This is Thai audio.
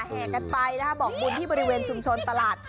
แห่กันไปนะคะบอกบุญที่บริเวณชุมชนตลาด